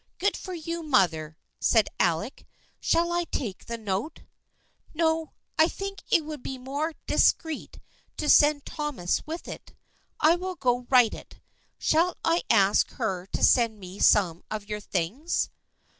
" Good for you, mother !" said Alec. " Shall I take the note?" " No, I think it would be more discreet to send Thomas with it. I will go write it. Shall I ask her to send me some of your things